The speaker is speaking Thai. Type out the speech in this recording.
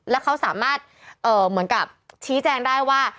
แล้วเขาสามารถเหมือนกับชี้แจงได้ว่า